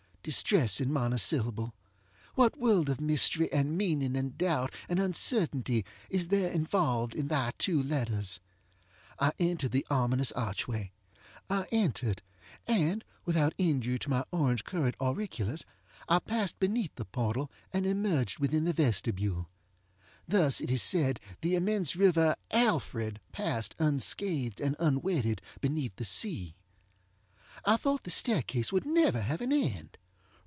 Distressing monosyllable! what world of mystery, and meaning, and doubt, and uncertainty is there involved in thy two letters! I entered the ominous archway! I entered; and, without injury to my orange colored auriculas, I passed beneath the portal, and emerged within the vestibule. Thus it is said the immense river Alfred passed, unscathed, and unwetted, beneath the sea. I thought the staircase would never have an end.